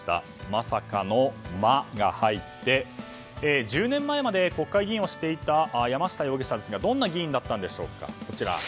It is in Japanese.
まさかの「マ」が入って１０年前まで国会議員をしていた山下容疑者ですがどんな議員だったんでしょうか。